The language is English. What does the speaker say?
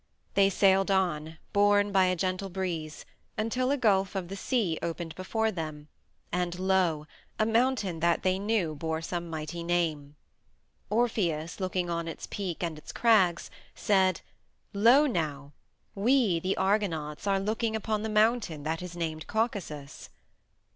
They sailed on, borne by a gentle breeze, until a gulf of the sea opened before them, and lo! a mountain that they knew bore some mighty name. Orpheus, looking on its peak and its crags, said, "Lo, now! We, the Argonauts, are looking upon the mountain that is named Caucasus!"